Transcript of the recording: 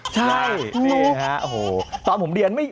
ใช่นุ่มโอ้โฮตอนผมเรียน